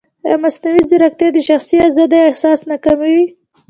ایا مصنوعي ځیرکتیا د شخصي ازادۍ احساس نه کموي؟